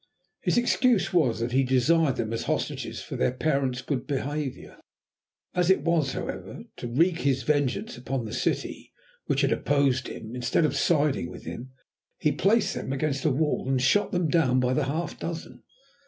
His excuse was that he desired them as hostages for their parents' good behaviour. As it was, however, to wreak his vengeance on the city, which had opposed him, instead of siding with him, he placed them against a wall and shot them down by the half dozen.